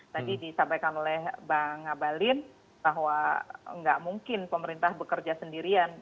tadi disampaikan oleh bang abalin bahwa nggak mungkin pemerintah bekerja sendirian